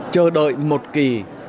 chờ đợi một kỳ